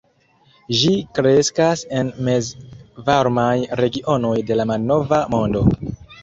Ĝi kreskas en mezvarmaj regionoj de la malnova mondo.